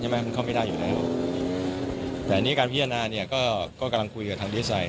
มันเข้าไม่ได้อยู่แล้วแต่อันนี้การพิจารณาเนี่ยก็ก็กำลังคุยกับทางดีไซน